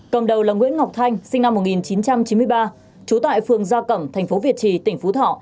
cầm đầu là nguyễn ngọc thanh sinh năm một nghìn chín trăm chín mươi ba trú tại phường gia cẩm thành phố việt trì tỉnh phú thọ